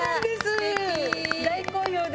大好評で。